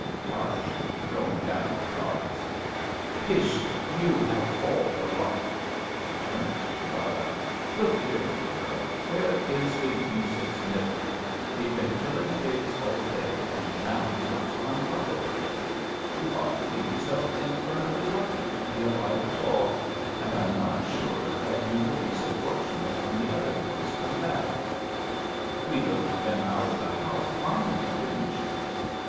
Tarrasch {throwing doton the cards). Pish ! You have all the luck. {He turns to Rada) Look here, my girl, where is the use of snivelling? We've been killing pigs all day and now we want to unbuckle a bit. You ought 10 A BELGIAN CHRISTMAS EVE to think yourself infernally lucky to be alive at all, and I'm not sure that you will be so fortunate when the other boys come back. Wheedled them out of the house finely, didn't you?